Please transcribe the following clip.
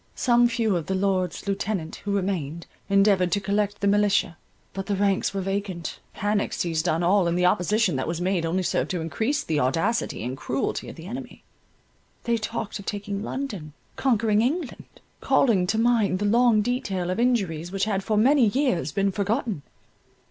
Some few of the Lords Lieutenant who remained, endeavoured to collect the militia—but the ranks were vacant, panic seized on all, and the opposition that was made only served to increase the audacity and cruelty of the enemy. They talked of taking London, conquering England—calling to mind the long detail of injuries which had for many years been forgotten.